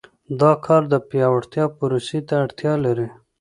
دا کار د پیاوړتیا پروسې ته اړتیا لري.